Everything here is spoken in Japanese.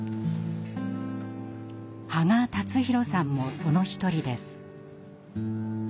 波賀達宏さんもその一人です。